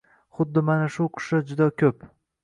Xuddi mana shu qushlar juda ko’p.